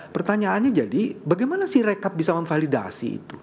pertanyaannya jadi bagaimana si rekap bisa memvalidasi itu